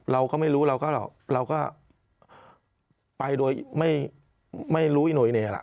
เราก็ไม่รู้เราก็ไปโดยไม่รู้อีโนอิเน่ล่ะ